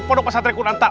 ponok masatre kunanta